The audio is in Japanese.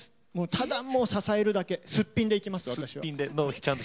ただもう支えるだけ、すっぴんでいきます、私は。